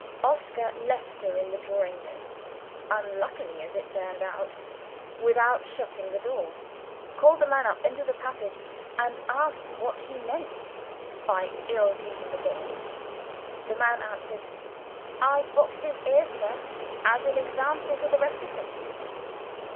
Oscar left her in the drawing room (unluckily, as it turned out, without shutting the door); called the man up into the passage, and asked what he meant by ill using the boy. The man answered, 'I boxed his ears, sir, as an example to the rest of them.'